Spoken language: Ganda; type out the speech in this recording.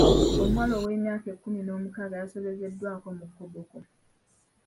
Omuwala ow'emyaka ekkumi n'omukaaga yasobezeddwako mu Koboko.